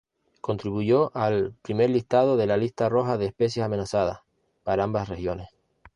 Contribuyó al "Primer Listado de la Lista Roja de especies amenazadas" para ambas regiones.